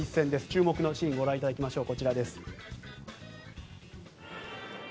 注目のシーンご覧いただきましょう。